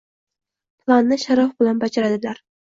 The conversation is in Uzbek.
Planni sharaf bilan bajaradilar.